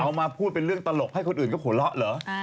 เอามาพูดเป็นเรื่องตลกให้คนอื่นก็หลอกเหรอ